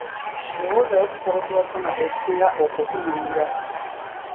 Lowoozaayo ku kitabo kye wasoma ekisinga okukunyumira.